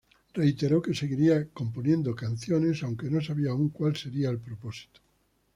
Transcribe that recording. Reiteró que seguiría escribiendo canciones, aunque no sabía aún cuál sería el propósito.